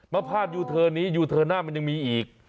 พาดยูเทิร์นนี้ยูเทิร์นหน้ามันยังมีอีก